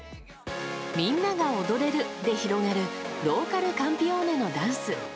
「みんなが踊れる」で広がるローカルカンピオーネのダンス。